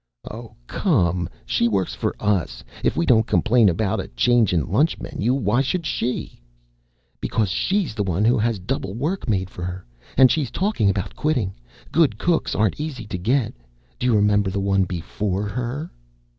"Oh, come. She works for us. If we don't complain about a change in lunch menu, why should she?" "Because she's the one who has double work made for her, and she's talking about quitting. Good cooks aren't easy to get. Do you remember the one before her?"